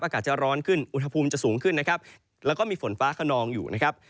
อากาศจะร้อนขึ้นอุณหภูมิจะสูงขึ้นนะครับแล้วก็มีฝนฟ้าขนองอยู่นะครับ